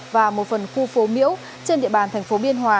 và một phần khu phố miễu trên địa bàn thành phố biên hòa